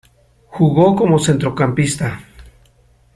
Jugó como centrocampista.